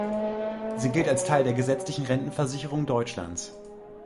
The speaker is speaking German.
Sie gilt als Teil der gesetzlichen Rentenversicherung Deutschlands.